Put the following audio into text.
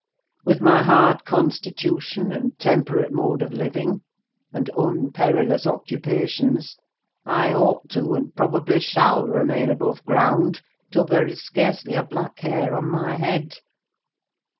With my hard constitution and temperate mode of living, and unperilous occupations, I ought to, and probably shall, remain above ground till there is scarcely a black hair on my head.